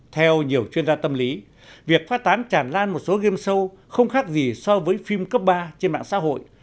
theo nhiều chuyên gia tâm lý việc phát tán tràn lan một số game show không khác gì so với phim cấp ba trên mạng xã hội